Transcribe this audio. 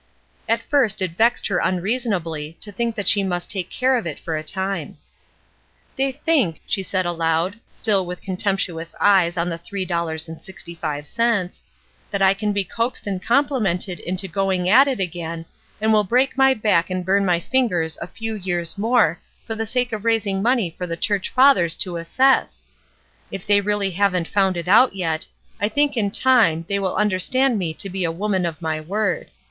At first it vexed her unreasonably to think that she must take care of it for a time. ''They think,*' she said aloud, still with contemptuous eyes on the three dollars and sixty five cents, '' that I can be coaxed and com plimented into going at it again, and will break my back and burn my fingers a few years more for the sake of raising money for the church 368 ESTER RIED^S NAMESAKE fathers to assess ! If they really haven^t found it out yet, I think, in time, they will understand me to be a woman of my word.